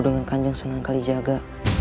dengan kanjeng sunan kalijaga